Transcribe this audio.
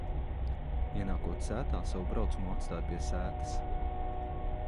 Ienākot sētā, savu braucamo atstāju pie sētas.